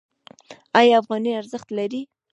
آیا افغانۍ ارزښت لري؟